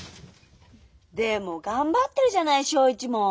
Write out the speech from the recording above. でも頑張ってるじゃない省一も。